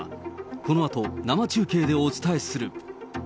このあと生中継でお伝えする。